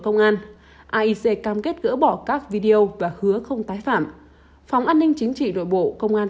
công an aic cam kết gỡ bỏ các video và hứa không tái phạm phòng an ninh chính trị nội bộ công an